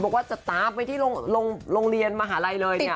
บอกว่าจะตามไปที่โรงเรียนมหาลัยเลยเนี่ย